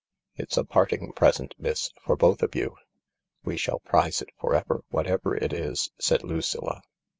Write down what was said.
"It's a parting present, miss. For both of you." " We shall prize it for ever, whatever it is," said Lucilla.